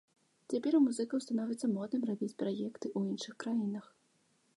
Цяпер у музыкаў становіцца модным рабіць праекты ў іншых краінах.